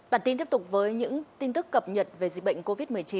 bản tin tiếp tục với những tin tức cập nhật về dịch bệnh covid một mươi chín